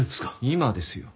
今ですよ。